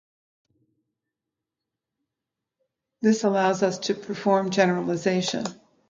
this allows us to perform generalisation